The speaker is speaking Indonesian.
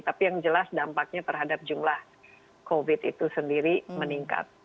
tapi yang jelas dampaknya terhadap jumlah covid itu sendiri meningkat